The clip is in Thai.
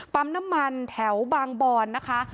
ปั๊มน้ำมันแถวบางบอนนะคะ